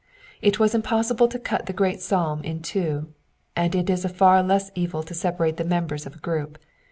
It was impossible to cut the. great psalm in two, and it is a far less evil to separate the members of a group.